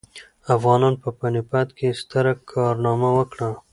افغانانو په پاني پت کې ستره کارنامه وکړه.